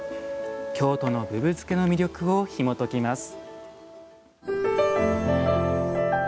京都のぶぶ漬けの魅力をひもときます。